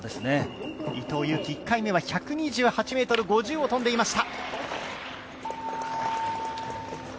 伊藤有希、１回目は１２８ｍ５０を飛んでいました。